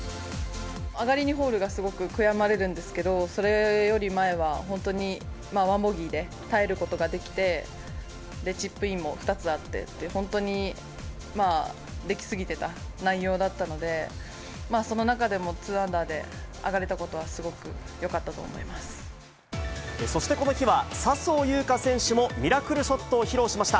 上がり２ホールがすごく悔やまれるんですけど、それより前は本当に、１ボギーで耐えることができて、チップインも２つあってっていう、本当に出来過ぎてた内容だったので、その中でも２アンダーで上がれたことは、すごくよかったと思いまそしてこの日は、笹生優花選手もミラクルショットを披露しました。